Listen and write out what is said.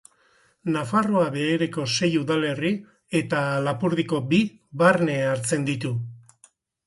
Nafarroa Behereko sei udalerri eta Lapurdiko bi barne hartzen ditu.